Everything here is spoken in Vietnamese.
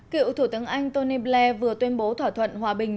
cựu thủ tướng anh tony blair vừa tuyên bố thỏa thuận hòa bình